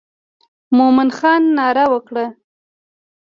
مومن خان ناره وکړه.